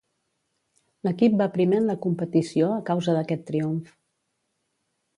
L'equip va primer en la competició a causa d'aquest triomf.